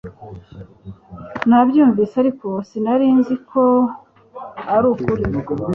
Nabyumvise ariko sinari nzi ko arukuri